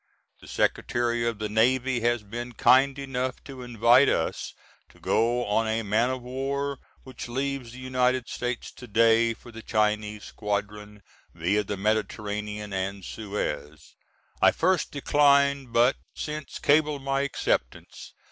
The Secretary of the Navy has been kind enough to invite us to go on a man of war which leaves the United States to day for the Chinese squadron, via the Mediterranean and Suez. I first declined but since cabled my acceptance.